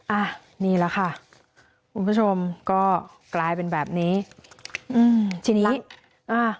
อ่ะนี่แหละค่ะคุณผู้ชมก็กลายเป็นแบบนี้อืมทีนี้อ่า